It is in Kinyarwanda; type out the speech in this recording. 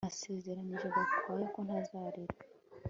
Nasezeranije Gakwaya ko ntazarira